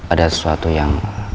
ada sesuatu yang